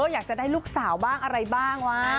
อยากจะได้ลูกสาวบ้างอะไรบ้างวะ